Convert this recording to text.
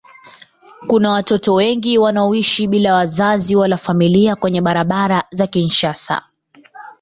Kuna watoto wengi wanaoishi bila wazazi wala familia kwenye barabara za Kinshasa.